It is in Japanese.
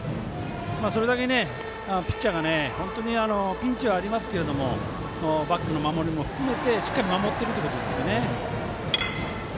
それだけピッチャーがピンチはありますがバックの守りも含めてしっかり守ってるってことですね。